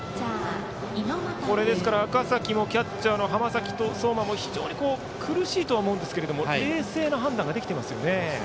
赤嵜もキャッチャーの浜崎綜馬も非常に苦しいと思うんですけど冷静な判断ができてますよね。